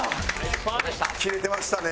キレてましたね。